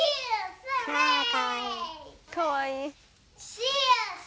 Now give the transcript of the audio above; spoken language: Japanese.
かわいい。